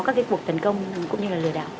các cuộc tấn công cũng như là lời đạo